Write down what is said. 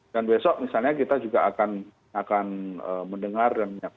dan besok misalnya kita juga akan mendengar dan nyatakan